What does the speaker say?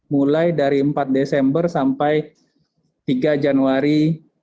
mulai dari empat desember sampai tiga januari dua ribu dua puluh